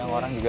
ada orang juga